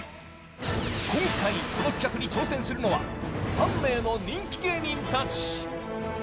今回、この企画に挑戦するのは３名の人気芸人たち。